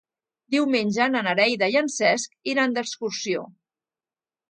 Diumenge na Neida i en Cesc iran d'excursió.